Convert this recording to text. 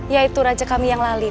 yaitu raja kami yang lalin